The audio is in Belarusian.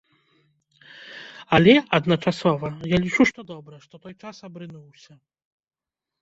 Але, адначасова, я лічу, што добра, што той час абрынуўся.